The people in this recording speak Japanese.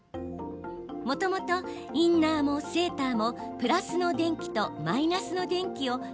もともと、インナーもセーターもプラスの電気とマイナスの電気を